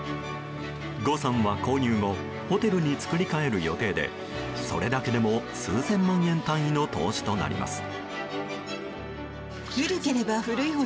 ゴさんは、購入後ホテルに造り替える予定でそれだけでも数千万円単位の投資となります。